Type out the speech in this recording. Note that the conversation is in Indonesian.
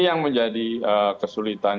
yang menjadi kesulitan